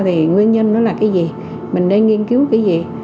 thì nguyên nhân đó là cái gì mình nên nghiên cứu cái gì